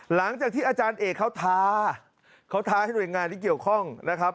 หลังจากที่อาจารย์เอกเขาท้าเขาท้าให้หน่วยงานที่เกี่ยวข้องนะครับ